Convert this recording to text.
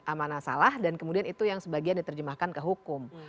mana baik mana salah dan kemudian itu yang sebagian diterjemahkan ke hukum